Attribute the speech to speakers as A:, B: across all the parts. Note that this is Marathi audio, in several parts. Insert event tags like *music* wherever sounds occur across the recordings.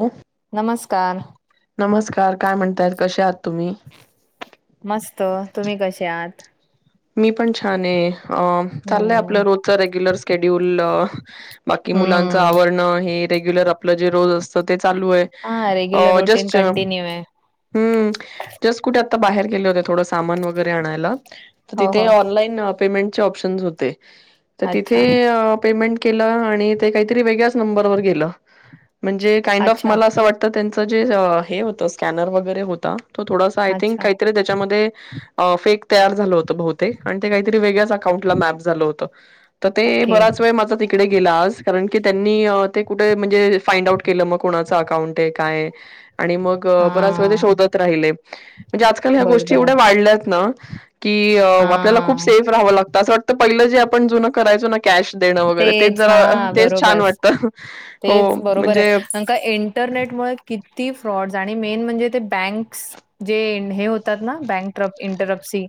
A: ह
B: नमस्कार.
A: नमस्कार काय म्हणताय कसे आहात तुम्ही.
B: मस्त तुम्ही कसे आहत.
A: मी पण छान आहे अ चाललंय आपलं
B: हम्म
A: रोजच रेग्युलर शकेड्यूल बाकी मुलांच
B: हम्म
A: आवरण हे रेग्युलर आपला जे रोज अस ते चालू आहे
B: हा रेग्युलर रुटीन कंटिन्यू आहे.
A: ज कुठे आता बाहेर गेले होते सामान वगैरे आणायला
B: हो
A: तिथ
B: हो
A: न ओनलाइन पेमेंट ऑप्शन होते तर तिथे
B: अच्छा
A: पेमेंट केलं आणि ते काहीतरी वेगळेच कम्प्युटर केलं आणि
B: अच्छा
A: मला असं वाटतं की काय आता त्यांच जे होत स्कॅनर वगैरे होता तो थोडासा आय थिंक
B: अच्छा
A: काहीतरी त्याच्यामध्ये फेक तयार झालं होत बहुतेक आणि ते काहीतरी वेगळ्याच अकाउंटला मॅप झालं होतं. तर ते
B: ओके
A: बराच वेळ माझं तिकडे गेला आज त्यांनी कुठे म्हणजे फाईड आउट केल म कोणा अकाउंट काय आणि मग
B: हा
A: बराच वेळ ते शोधत राहिले म्हणजे आजकाल ह्या
B: बरं
A: गोष्टी
B: बरं
A: एवढ्या वाढल्यात ना की
B: हा
A: आपल्याला खूप सेफ राहावं लागतं असं वाटत पहिलं जे आपण जुन करायचो ना कॅश देण वगैरे तेच जरा
B: हा
A: तेच छान
B: बरोबर
A: वाटत हो
B: तेच बरोबर आहे
A: म्हणजे
B: कारण का इंटरनेटमुळे किती फ्रॉड्स आणि मेन म्हणजे ते बँक्स जे हे होतात ना बँक इंटरपसी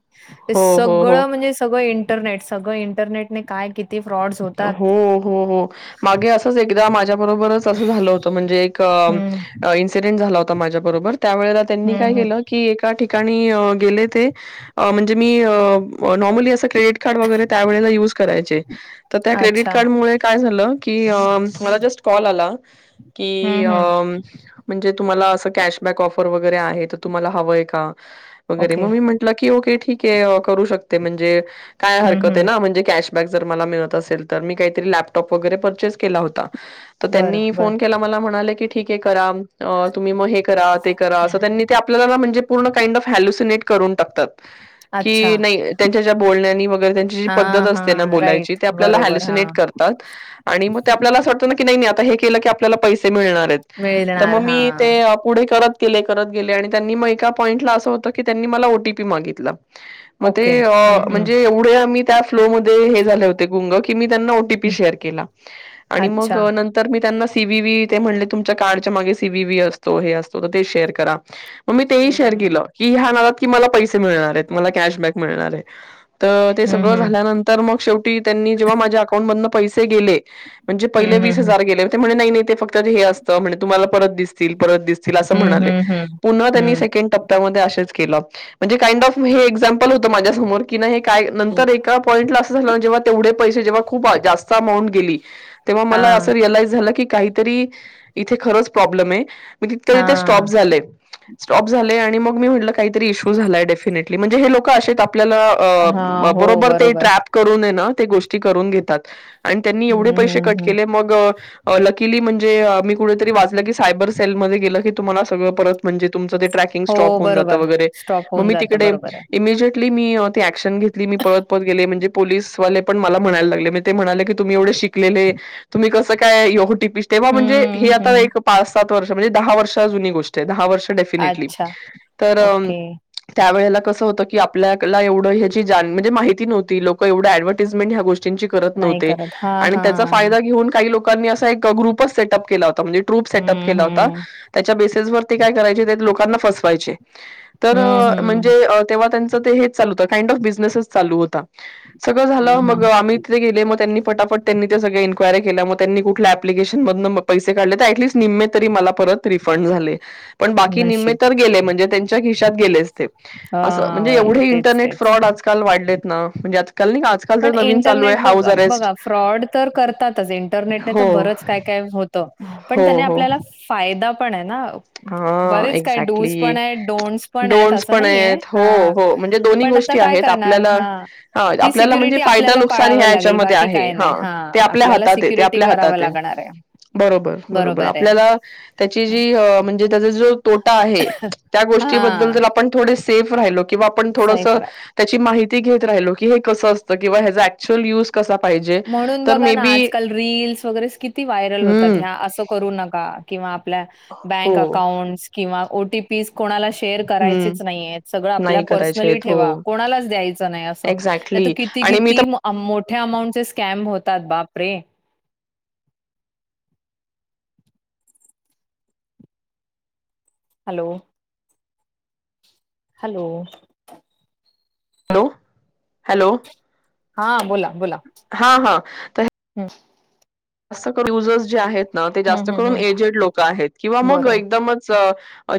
A: हो, हो, हो.
B: सगळं म्हणजे सगळं इंटरनेट सगळं इंटरनेटने काय किती फ्रॉड
A: हो, हो, हो मागे असंच एकदा माझ्या बरोबर असं झालं होतं एक
B: हम्म
A: इनसीडंट झाला होता माझ्याबरोबर त्यावेळेला त्यांनी
B: हम्म
A: काय
B: हम्म
A: केलं की एका ठिकाणी गेले ते म्हणजे मी नॉर्मली अस क्रिएट क्रेडिट कार्ड वगैरे असं त्यावेळेला युज करायचे तर त्या क्रेडिट
B: अच्छा
A: कार्ड मुळ काय झालं की मला जस्ट कॉल आला की
B: हं, हं.
A: म्हणजे तुम्हाला असं कॅशबॅक ऑफर वगैरे आहे तर तुम्हाला हवंय का वगैरे
B: ओके.
A: मग मी की ओके ठीके करू शकते म्हणजे काय
B: हं,
A: हरकत आहे
B: हं.
A: ना म्हणजे कॅशबॅक जर मला मिळत असेल तर मी काहीतरी लॅपटॉप वगैरे परचेस केला होता तर
B: बरं,
A: त्यांनी
B: बरं.
A: फोन केला मला म्हणाले ठीक आहे करा तुम्ही मग हे करा ते करा असं त्यांनी ते आपल्याला म्हणजे पूर्ण कांड ऑफ हॅल्युसिनेट करून टाकतात
B: अच् *unintelligible*
A: कि नाही त्यांच्या ज्या बोलण्यानी वगैरे त्यांची जी पद्धत
B: हां,
A: असते ना
B: हां.
A: बोलायची
B: राइट.
A: आपल्याला
B: बरोबर. हां.
A: हलिसिनेट आणि ते आपल्याला असं वाटतं की नाही नाही आता हे कल की आपल्या त्याला पैसे मिळणार आहेत
B: मिळणार.
A: मग मी
B: हां.
A: ते. पुढे करत गेले करत गेले आणि त्यांनी मग एका पॉईंटला असं होतं की त्यांनी मला ओटीपी मागितला मग ते
B: ओके. हं, हं.
A: म्हणजे एवढे मी त्या फ्लो मध्ये हे झाले होते गुंग की मी त्यांना ओटीपी
B: हं.
A: शेअर के मग
B: अच्छा.
A: तर मी त्यांना सी वी वी ते म्हणले तुमच्या कार्डच्या मागे सी वी वी असतो हे असतो तर ते शेअर करा मग मी तेही शेअर
B: हं.
A: केलं की ह्या नाात की मला पैसे मिळणार आहेत मला कॅशबॅक मिळणार आहे. तर ते
B: हं,
A: सगळं
B: हं.
A: झाल्यानंतर मग शेवटी त्यांनी जेव्हा माझ्या अकाउंटमधन पैसे गेले म्हणजे पहिले
B: हं, हं,
A: वीस
B: हं.
A: हजार गेले तेम्हणे नाही नाही ते फक्त ते हे असतं म्हणे तुम्हाला परत दिसतील परत दिस
B: हं,
A: म्हणाले
B: हं, हं.
A: पुन्हा त्यांनी
B: हं.
A: सेकंड टप्या मध्ये असच केल म्हणजे काईड ऑफ होतं माझ्या समोर की नाही हे काय नंतर एका पॉईंटला असं झालं जेव्हा तेवढे पैसे जेव्हा खुप जात अमाऊड गेली तेव्हा मला
B: हां,
A: अस रियलाइज की काहीतरी किती खरच प्रॉब्लेम आहे तिथे मी
B: हां.
A: स्टॉप झालेत. स्टॉप झाले आणि मग मी म्हटलं काहीतरी इश्यू झालाय डेफिनेटली म्हणजे हे लोक असे आपल्याला अ
B: हां. हो,
A: बरोबर ते ट्रॅप करून नय ना ते गोष्टी करून घेतात आणि त्यांनी
B: हं,
A: एवढे पैसे
B: हं,
A: कट
B: हं.
A: केले मग लकीली म्हणजे मी कुठेतरी वाचलं की सायबर सेलमध्ये गेलं की तुम्हाला सगळं परत म्हणे त्रकिंग
B: हो,
A: स्टॅप जाते
B: बरोबर.
A: वगैरे
B: स्टॉप
A: म
B: होऊन
A: मी
B: जातं.
A: तिकडे
B: बरोबर आहे.
A: इमिजे मी ती ऍक्शन घेतली मी परळ परळ गेले म्हणजे पोलीसवाले मला म्हणायला लागले मी ते म्हणाले की तुम्ही एवढे शिकलेले तुम्ही कसं काय ओ टि पी तेव्हा म्हणजे हे
B: हं,
A: आता
B: हं.
A: एक पाच, सात वर्ष म्हणजे दहा वर्ष जुनी गोष्ट दहा वर्ष डेफिनेटली
B: अच्छा.
A: तर
B: ओके.
A: त्यावेेळेला कसं होतं की आपल्याला एवढं ह्याची जा म्हणजे माहिती नव्हती लोक एवढं डव्ह ह्या गोष्टींची करत
B: नाही
A: नव्हते
B: करत. हां,
A: आणि त्याचा
B: हां.
A: फायदा घेऊन काही लोक नी एक ग्रपचेटअप केला होता म्हणे ट्रुप सेटअप
B: हं,
A: केला होता
B: हं.
A: त्याच्या बेसेस वर ते काय कराय लोकांना फसय तर
B: हं, हं.
A: म्हणजे तेव्हा त्यांच ते हेच चालू होत काइंड ऑफ बिजनेसस चालू होता. सगळं झालं
B: हं,
A: मग
B: हं.
A: आम्ही. गेले मग त्यांनी फटाफट त्यांनी ते सगळळे इनक्वायरी केल्या मग त्यां कुठल्या प्लिकेशनमधून पैसे काढले तर टलीस्ट. निम्म तरी मला परत रिफंड झाले. पण बाकी निम्ममी
B: नशीब.
A: तर गेले म्हणजे त्यांच्या खिशात गेलेच ते. असं
B: हा
A: म्हणजे
B: व्हय
A: एवढे
B: तेच
A: इंटरनेट
B: तेच
A: फ्रॉड आजकाल वाढलेत ना म्हणजे आजकाल नाही काज.
B: पण इंटरनेट ब बघा फ्रॉड तर करतातच इंटरनेटने तर
A: हो,
B: बरंच काय काय होतं. पण
A: हो,
B: त्याने आपल्याला फायदा पण आहे ना.
A: हा
B: बरेच काय डूज
A: एक्झॅक्टली
B: पण आहेत डोंट्स पण आहेत
A: डोन्स
B: असं
A: पण
B: नाहीये
A: आहेत हो
B: हा.
A: हो म्हणजे दोन्ही
B: पण आता
A: गोष्टी..
B: काय करणार
A: आपल्याला
B: हा. ती
A: आपल्याला. म्हणे
B: सिक्युरिटी
A: फाय
B: आपल्याला पाळावं लागेल
A: नुकसानच्यामध्ये
B: बाकी
A: आहे
B: काही नाही
A: ह
B: हा
A: आपल्या
B: आपल्याला
A: हातात ते
B: सिक्युरिटी
A: आपल्या
B: करावं
A: हातात आहे.
B: लागणार
A: बरोबर बरोबर आपल्याला. त्याची जी म्हणजे त्याचा जो तोटा आहे त्या गोष्टीबद्दल
B: हा
A: जर आपण थोडे सेफ राहिलो. किंवा आपण
B: सैफ राय
A: याची माहिती घेत राहिलं ते कसं असतं किंवा ऍक्च्युली त्याचं.
B: म्हणून बघा ना आजकाल रीलस वगैरे किती व्हायरल होतात
A: हम्म
B: ह्या असं करू नका. किंवा आपल्या
A: हो
B: बँक अकाउंट्स किंवा ओ टीी. पीस कोणाला शेअर
A: हम्म
B: करायचीच नाहीय सगळं आपल्या
A: नाही करायचे
B: पर्सनली
A: आहेत हो
B: ठेवा कोणालाच द्यायचं नाही असं. नाही तर
A: एक्झॅक्टली
B: किती
A: आणि मी
B: किती
A: तर
B: मोठ्या अमाऊंटचे स्कॅम होतात बापरे. हॅलो. हॅलो.
A: Hello hello.
B: हा बोला बोला
A: हा
B: हम्.
A: जात युजर्स जे आहेत ना ते
B: हं,
A: जास्त
B: हं,
A: करून
B: हं.
A: एजेड लोकं आहेत किंवा मग
B: बरं.
A: एकदमच.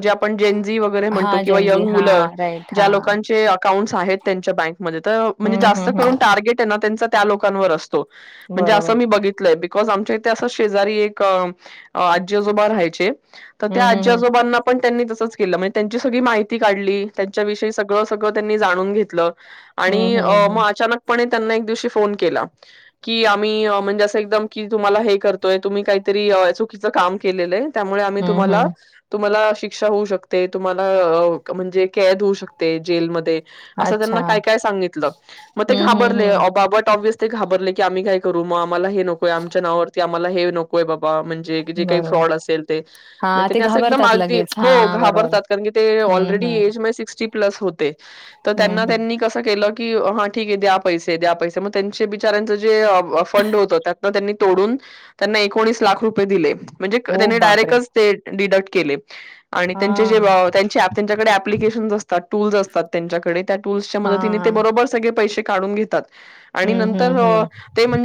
A: जे आपण जेनझी वगैरे म्हणतो
B: हां,
A: किंवा
B: जेनझी.
A: यंग मुलं
B: हां, राईट.
A: ज्या
B: हां.
A: लोकांचे अकाउंट्स आहेत त्यांच्या बँक ण
B: हं,
A: जात
B: हं, हं.
A: ट्गेट त्यां त्या लोकांवर असतो म्हणे
B: बरोबर.
A: असी बय िकॉज आमच्या इथे अस शेजारी एक आजी आजोबा राहायचे तर त्या
B: हं, हं,
A: आजी
B: हं.
A: आजोबांना पण त्यांनी तसच केलं म्हणजे त्यांची सगळी माहिती काढली त्यांच्याविषयी सगळं सगळं त्यांनी जाणून घेतलं.
B: हं,
A: आणि
B: हं,
A: मग
B: हं.
A: अचानकपणे त्यांना एक दिवशी फोन केला की आम्ही म्हणजे असं एकदम कि तुम्हाला हे करतोय तुम्ही काहीतरी चुकीच काम केलेलंय त्यामुळे आम्ही
B: हं,
A: तुम्हाला
B: हं.
A: तुम्हाला शिक्षा होऊ शकते तुम्हाला म्हणजे कैद होऊ शकते जेलमध्ये
B: अच्छा.
A: त्यांना काय काय सांगितलं मग ते
B: हं,
A: घाबर
B: हं, हं.
A: बट ते घाबरले की आम्ही काय करू मग आम्हाला हे नकोय आमच्या नावावरती आम्हाला हे नकोय बाबा म्हणजे की जे काही
B: बरोबर.
A: फ्रॉड असेल ते
B: हां, ते
A: नी असं एकदम
B: घाबरतात
A: अगदी
B: लगेच.
A: हो
B: हां, बरोबर.
A: घाबरतात कारण की ते
B: हं,
A: ऑलरेडी
B: हं,
A: एज सिक्टी प त्यां
B: हं, हं.
A: कि हा ठीक आहे द्या पैसे द्या पैसे मग त्यांचे बिचऱ्यांचं जे फंड होतं त्या त्यां तोडून त्यांना एकोणीस लाख रुपये दिले म्हणजे
B: ओ
A: त्यांनी
B: बापरे!
A: डायरेक्ट डडक् के आणि त्यां
B: हां,
A: त्यांच्याकडे अप्लिकेशन्स असतात टूल् असतात त्यांच्याकडे त्या टूल्सच्या मदतीने ते
B: हां.
A: बरोबर प का घ
B: हं,
A: म्हण
B: हं, हं.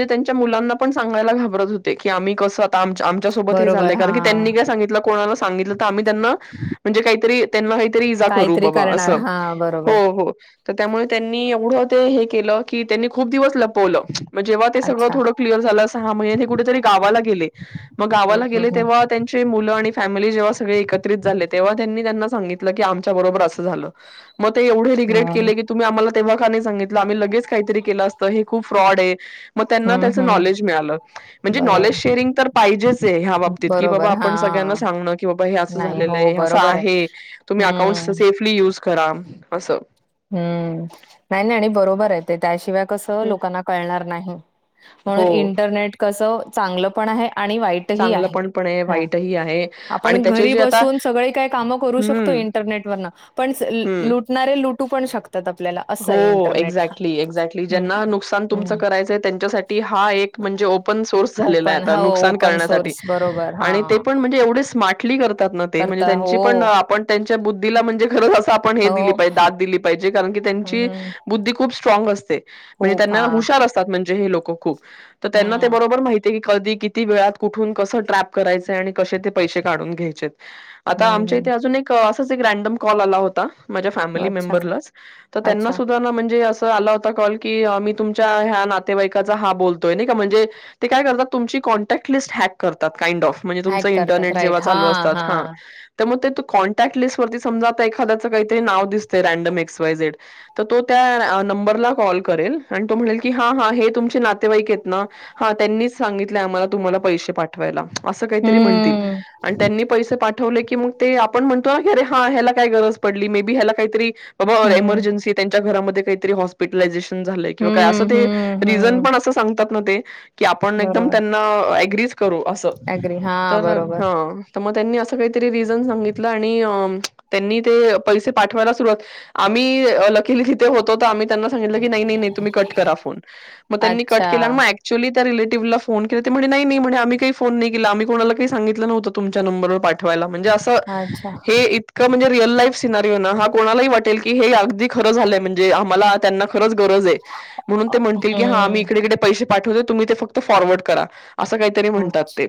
A: त्यां मु ण सांगाला घाबरत होते की आम्ही आमच्या सोबत हे
B: बरोबर.
A: झालंय कारण की
B: हां,
A: त्यांनी काय सांगितलं सगित आम्ही त्यां म्हणे काहीत. त्यांना काहीतरी इ जाा करू
B: काहीतरी
A: बाबा अस
B: करणार. हां,
A: हो
B: बरोबर.
A: हो तर त्यामुळे त्यांनी एवढं ते हे केलं की त्यांनी खूप दिवस लपवलं मग जेव्हा ते सगळं
B: अच्छा.
A: थोडं क ग गग गवा
B: हं, हं,
A: ग
B: हं.
A: त्यां मु आणि फॅमिली जेव्हा सगळे एकत्रित झाले तेव्हा त्यांनी त्यांना सांगितले आ आ ल
B: हं, हं,
A: ख *inaudible*
B: हं.
A: की
B: बरोबर, बरोबर. हां.
A: बाबा हे असं
B: नाही,
A: झालेलं
B: हो
A: आहे असं
B: बरोबर
A: आहे तुम्ही अकाउंट
B: हं,
A: सेफली युज करा असं
B: हम्म नाही नाही आणि बरोबर आहेत त्याशिवाय कस
A: हं.
B: लोकांना कणार नाही
A: हो
B: म्हण इंर कसं चांगलं पण आहे आणि वाईट
A: चांगलं पण पण आहे वाईटही आहे आणि
B: आपण
A: त्याचे
B: घरी
A: जे आता
B: बसून सगळे काही काम करू शकतो
A: हम्म
B: इंटरनेट व पण
A: हम्म
B: लुटणारे लुटू पण शकत
A: हो एक्झॅक्टली एक्झॅक्टली
B: हम्म.
A: ज्यांना नुकसान तुमचं
B: हम्म
A: करायचंय त्यांच्यासाठी हा एक म्हणजे ओप सोर्
B: ओपन
A: झा
B: हो
A: नुकन
B: ओपन सोर्स बरोबर हा
A: कर पण म्हणजेवढे स्मलीतात ते म्हणजे
B: करता हो
A: त्यांची पण आपण त्यांच्या बुद्धीला म्हणजे खरच असं आपण हे
B: हो
A: दिली पाहिजे दात दिली पाहिजे कारण की त्यांची
B: हम्म
A: बुद्धी खूप स्ट्रांग असते म्हणजे
B: खूप
A: त्यांना
B: हा
A: हुशार असतात म्हणजे हे लोक खूप तर त्यांना ते
B: हम्म
A: बरोबर माहि क कधी किती वेळात कुठून कसं ट्रॅप करायचंय आणि कसे ते पैसे काढून घ्यायचे आता आमच्या इथे
B: हम्म
A: अजून एक असाच एक रँडम कॉल आला होता माझ्या फॅमिली
B: अच्छा
A: मेंबरलाच तर त्यांना
B: अच्छा
A: सुद्ध म्हणजे अस आला होता कॉल की मी तुमच्या ह्या नातेवाईकाचा हा बोलतोय नाही का म्हणजे ते काय करतात तुमची कॉन्टॅक्ट लिस्ट हॅक करतात काइंड ऑफ म्हणे तुम
B: हॅक
A: इंरने
B: करतात राईट
A: जेव्हा
B: हा
A: चालू असतात
B: हा
A: ह तर मग ते तू कॉन्टॅक्ट लिस्ट वती समजा आता एखादचं काहीतरी नाव दिसते रँडम एक्स वायज एड तर तो त्या नंबरला कॉल करेल आणि तो म्हणेल की हा हा हे तुमचे नातेवाईक आहेत ना हा त्यांनीच सांगितलं आम्हाला तुम्हाला पैसे पाठ वा अस काहीतरी म्हण
B: हम्म
A: आणि त्यांनी पैसे पाठवले की मग ते आपण म्हणतो नाी अरे ह ह काही गरज पडली मे बी ह काहीतरी
B: हम्म
A: त्यां काश झा अस
B: हम्म
A: ते
B: हम्म
A: रिझन
B: हम्म
A: पण असं सांगतात ना ते की आपण एकदम
B: बरोबर
A: त्यांनाग्री करू अस
B: ऍग्री हा
A: तर
B: बरोबर
A: ह तर मग त्यांनी असं काहीतरी रिझन सांगितलं आणि त्यांनी ते पैसे पाठवायला सुरुवात आम् तुम् क करा त्यांनी क
B: अच्छा
A: त्यािलेटिव्हला फोन केला ते म्ह नाही म्हण आम्ही फोन नाही के आम्ही कोण म्हणजे अस
B: अच्छा
A: हे इतक म्हणजे रिअल लाइफ सेनारिओ ना हा कुणालाही वाटेल हे अगदी खरं झालं म्हणजे आम्हाला त्यांना खरंच गरज आहे म्हणून
B: अ-
A: ते म्हणतील हा मी
B: हम्म
A: इकडे इकडे पैसे पाठव तुम्ही ते फक्त फॉरवर्ड करा असं काहीतरी म्हणतात ते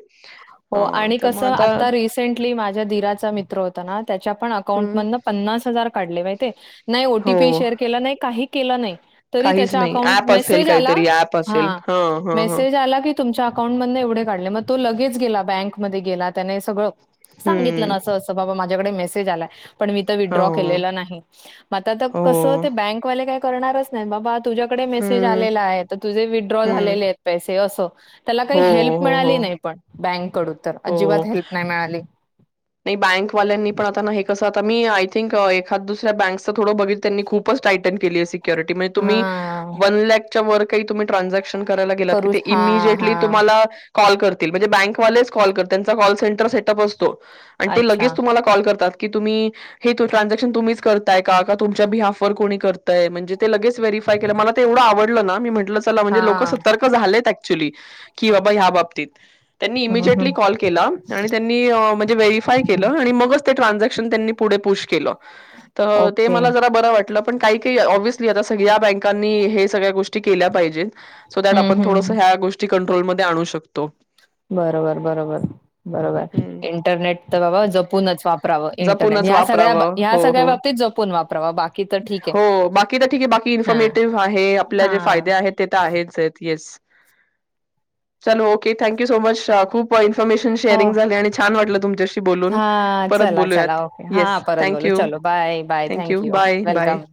A: हा
B: हो आणि
A: तर मग
B: कसं आता रिसेंटली माझ्या दीराचा मित्र होता ना त्याच्या पण
A: हम्म
B: अकाउंटमधन पन्नास हजार काढले माहिते नाही
A: हो
B: ओटीपी शेअर केला नाही काही केलं नाही. तरी
A: काहीच
B: त्याच्या
A: नाही
B: अकाउंट
A: ऍप असेल
B: मेसेज आला
A: काहीतरी ऍप असेल
B: हा
A: हा हा
B: मेसेज आला की तुमच्या अकाउंट मध एवढे काढले मग तो लगेच गेला बँकमध्ये गेला त्याने सगळं सांगितलं ना
A: हम्म
B: असं असं बाबा माझ्याकडे मेसेज आलाय. पण मी तर विड्रॉ
A: हो
B: केलेला नाही म आता
A: हो
B: कस ते बँकवाले काय करणारच नाही बाबा. तुझ्याकडे मेसेज
A: हम्म
B: आलेला आहे तुझे मित्र
A: हम्म
B: झालेले आहेत पैसे त्याला काय
A: हो
B: असं हेल्प
A: हो हो
B: ण बँकड तर
A: हो
B: अजिबात हेल्प नाही मिळाली.
A: नाही बँकवाल्यांनी पण आता हे कसं आता मी आय थिंक एखाद दुसऱ्या बँकच थोडं बघितल त्यांनी खू
B: हा करूच हा हा
A: *unintelligible* त कॉल करतील म्हणजे बँकवालेच कॉल करतील त्यांचा कॉल सेंटर सेटअप असतो आणि ते
B: अच्छा
A: लगेच तुम्हाला कॉल करतात की तुम्ही हे ट्रान्झॅक्शन तुम्हीच करताय का तुमच्या बिहाफवर कोणी करय म्हणज ते लगेच व्हेरीिफय केलं मला तेवढं आवडलं ना मी म्हटलं चला
B: हा
A: म्हणजे लोक सतर् झाले त्यांनी इ क के व त्यांनी
B: हम्म
A: के
B: हम्म
A: केलं आणि मगच ते ट्रांजेक्शन पुढे पुश केलं ते जरा
B: ओके
A: मला बरं वाटलं. पण काही काही ओविओस्ली आता सगळ्या बँकांनी हे सगळ्या गोष्टी केल्या पाहिजेत. सो दॅट
B: हम्म
A: आपण
B: हम्म
A: थोडस
B: हम्म
A: ह्या गोष्टी कंट्रोलमध्ये आणू शकतो.
B: बरोबर बरोबर बरोबर
A: हम्म.
B: इंटरनेट तर बाबा जपूनच वापर वापराव इंटरनेट
A: जपूनच
B: ह सगळ्या
A: वापरावं.
B: ह
A: हो,
B: सगळ्या
A: हो.
B: बाबतीत जपून वापराव बाकी तर ठीक
A: हो, बाकी तर ठीक
B: आहे.
A: बाकी
B: हा
A: इन्फॉर्मेटिव्ह आहे आपल्या
B: हा
A: जे फायदे आहेत. ओके थकू सपम
B: हो
A: शेअरिंग झाले आणि छान वाटलं तुमच्याशी बोलून
B: हा
A: परत
B: चला चला
A: बोलूयात
B: ओके हा
A: येस
B: परत
A: थँक
B: बोलू
A: यू
B: चलो bye bye
A: thank you
B: thank
A: bye bye
B: welcome